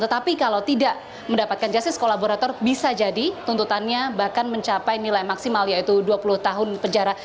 tetapi kalau tidak mendapatkan justice kolaborator bisa jadi tuntutannya bahkan mencapai nilai maksimal yaitu dua puluh tahun penjara